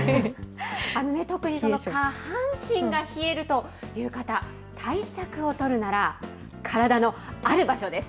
特にその下半身が冷えるという方、対策を取るなら、体のある場所です。